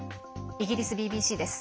イギリスＢＢＣです。